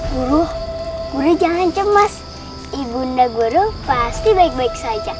guru guru jangan cemas ibunda guru pasti baik baik saja